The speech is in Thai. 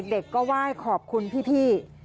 เด็กก็ไหว้ขอบคุณพี่